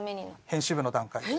編集部の段階で。